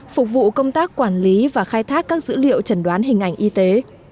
phục vụ công tác quản lý và khai thác các dữ liệu trần đoán hình ảnh y tế